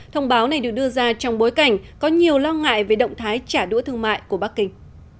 thông báo này được đưa ra trong bối cảnh có nhiều lo ngại về động thái trả đũa thương mại của bắc kinh